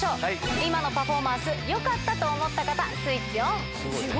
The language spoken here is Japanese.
今のパフォーマンス、よかったと思った方、スイッチオン。